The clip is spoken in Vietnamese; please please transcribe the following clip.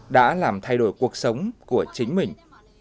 đã làm thay đổi cuộc sống của chính mình